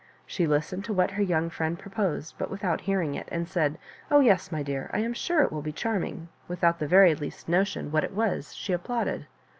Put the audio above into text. She listened to what her young friend proposed, but without hearing it, and said, "Oh yes, my dear, I am sure it will be charming," without the very least notion what it was she applauded.